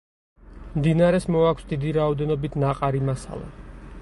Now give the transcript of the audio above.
მდინარეს მოაქვს დიდი რაოდენობით ნაყარი მასალა.